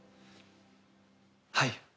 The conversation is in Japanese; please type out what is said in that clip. はい。